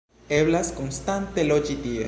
Eblas konstante loĝi tie.